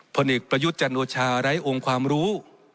พลเอกประยุจจันทราไร้องค์ความรู้